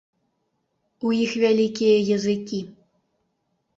У іх вялікія языкі.